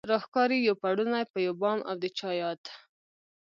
راښکاري يو پړونی په يو بام او د چا ياد